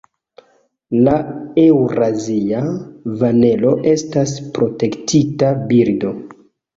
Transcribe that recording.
La Eŭrazia vanelo estas protektita birdo.